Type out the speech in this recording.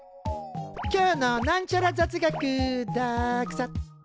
今日のなんちゃら雑学ＤＡＸＡ。